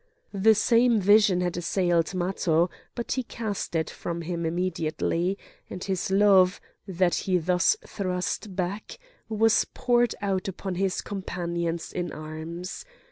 The same vision had assailed Matho; but he cast it from him immediately, and his love, that he thus thrust back, was poured out upon his companions in arms.